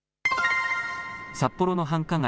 札幌の繁華街